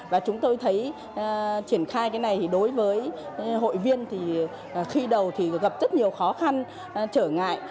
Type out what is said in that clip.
và chúng tôi thấy triển khai cái này đối với hội viên thì khi đầu thì gặp rất nhiều khó khăn trở ngại